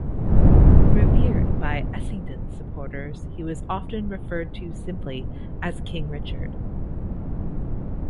Revered by Essendon supporters, he was often referred to simply as "King Richard".